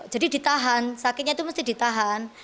jadi ditahan sakitnya itu mesti ditahan